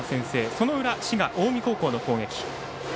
その裏、滋賀・近江高校の攻撃。